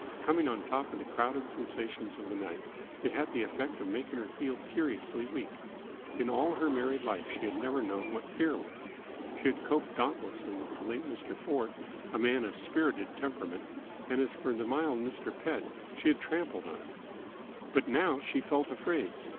Coming on top of the crowded sensations of the night, it had the effect of making her feel curiously weak. In all her married life she had never known what fear was. She had coped dauntlessly with the late Mr. Ford, a man of a spirited temperament; and as for the mild Mr. Pett she had trampled on him. But now she felt afraid.